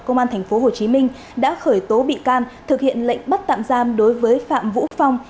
công an thành phố hồ chí minh đã khởi tố bị can thực hiện lệnh bắt tạm giam đối với phạm vũ phong